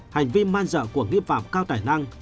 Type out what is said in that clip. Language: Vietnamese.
hành vi man dợ của nghi phạm cao tài năng